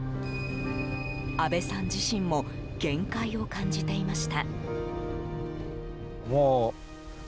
阿部さん自身も限界を感じていました。